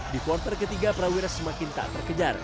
di quarter ke tiga trawira semakin tak terkejar